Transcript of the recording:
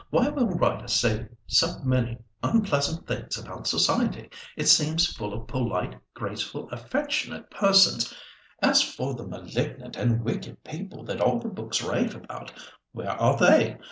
Why will writers say so many unpleasant things about society? It seems full of polite, graceful, affectionate persons. As for the malignant and wicked people that all the books rave about, where are they?